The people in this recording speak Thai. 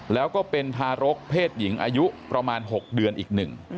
แล้วก็เป็นทารกเพศหญิงอายุประมาณ๖เดือนอีกหนึ่ง